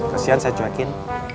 kesian saya cuekin